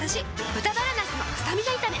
「豚バラなすのスタミナ炒め」